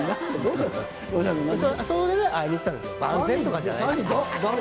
それで会いに来たんですよ番宣とかじゃないんですよ。